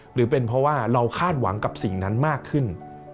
หรือเป็นเพราะว่าเราคาดหวังกับสิ่งนั้นมากขึ้น